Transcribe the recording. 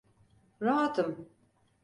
Rahatım.